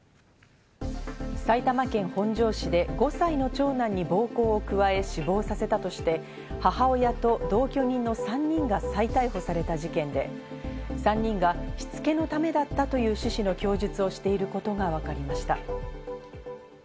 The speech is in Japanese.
埼玉県本庄市で５歳の長男に暴行を加え、死亡させたとして母親と同居人の３人が再逮捕された事件で、３人がしつけのためだったという趣旨の供述をしていることが分かりました。